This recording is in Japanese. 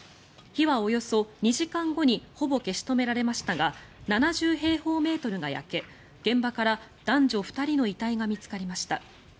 火はおよそ２時間後にほぼ消し止められましたが７０平方メートルが焼け現場から男女２人の遺体が見つかりました。